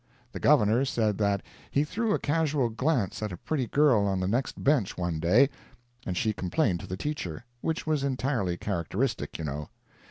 The Governor said that he threw a casual glance at a pretty girl on the next bench one day, and she complained to the teacher—which was entirely characteristic, you know.